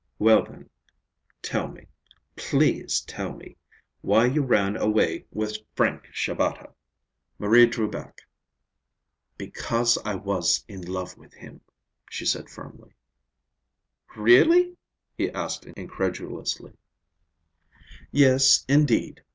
Well, then, tell me, please tell me, why you ran away with Frank Shabata!" Marie drew back. "Because I was in love with him," she said firmly. "Really?" he asked incredulously. "Yes, indeed.